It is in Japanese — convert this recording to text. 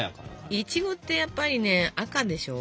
いちごってやっぱりね赤でしょ。